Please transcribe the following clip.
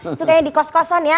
itu kayaknya dikos kosan ya